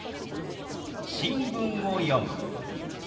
「新聞を読む」。